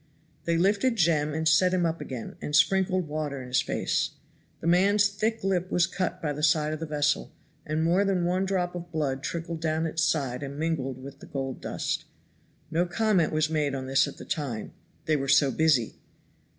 They lifted Jem and set him up again, and sprinkled water in his face. The man's thick lip was cut by the side of the vessel, and more than one drop of blood had trickled down its sides and mingled with the gold dust. No comment was made on this at the time. They were so busy.